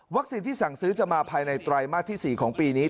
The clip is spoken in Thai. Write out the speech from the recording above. ที่สั่งซื้อจะมาภายในไตรมาสที่๔ของปีนี้